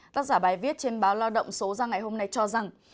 tác giả bài viết trên báo lao động số ra ngày hôm nay cho rằng